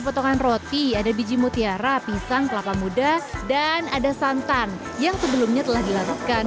potongan roti ada biji mutiara pisang kelapa muda dan ada santan yang sebelumnya telah dilarutkan